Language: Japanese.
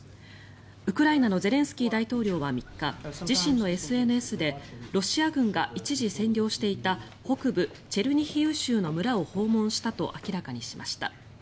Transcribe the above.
ウクライナのゼレンスキー大統領は３日自身のＳＮＳでロシア軍が一時占領していた北部チェルニヒウ州の村を訪問したと明らかにしました。